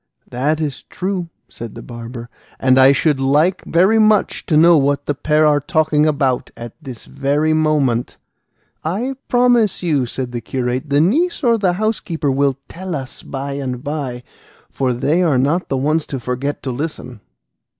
"That is true," said the barber, "and I should like very much to know what the pair are talking about at this moment." "I promise you," said the curate, "the niece or the housekeeper will tell us by and by, for they are not the ones to forget to listen."